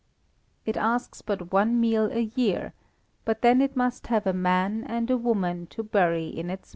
It asks but one meal a year, but then it must have a man and a woman to bury in its maw.